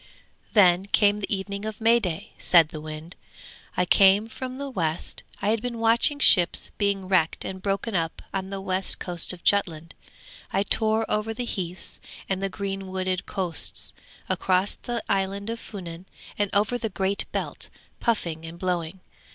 'Then came the evening of May day!' said the wind. 'I came from the west; I had been watching ships being wrecked and broken up on the west coast of Jutland. I tore over the heaths and the green wooded coasts, across the island of Funen and over the Great Belt puffing and blowing.